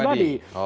sasar pribadi oh